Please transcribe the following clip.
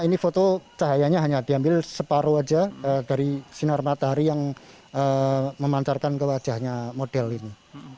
ini foto cahayanya hanya diambil separuh aja dari sinar matahari yang memancarkan ke wajahnya model ini